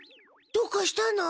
どうかしたの？